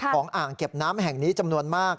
อ่างเก็บน้ำแห่งนี้จำนวนมาก